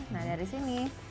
nah dari sini